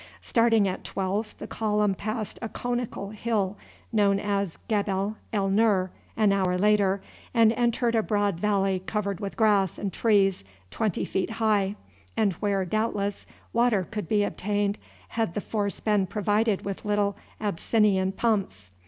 Starting at twelve, the column passed a conical hill known as Gebel El Nur an hour later, and entered a broad valley covered with grass and trees twenty feet high, and where, doubtless, water could be obtained had the force been provided with little Abyssinian pumps.